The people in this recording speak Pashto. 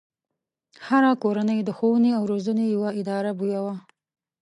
هره کورنۍ د ښوونې او روزنې يوه اداره بويه.